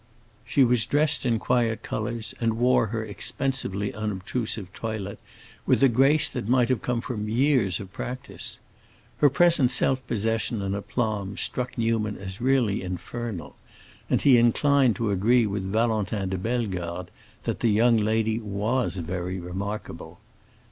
She was dressed in quiet colors, and wore her expensively unobtrusive toilet with a grace that might have come from years of practice. Her present self possession and aplomb struck Newman as really infernal, and he inclined to agree with Valentin de Bellegarde that the young lady was very remarkable.